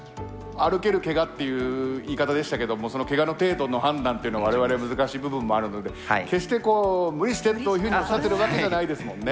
「歩けるけが」っていう言い方でしたけどもそのけがの程度の判断っていうのは我々難しい部分もあるので決して「無理して」というふうにおっしゃってるわけじゃないですもんね。